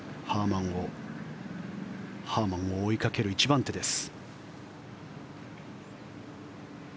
ハーマンを追いかける１番手です。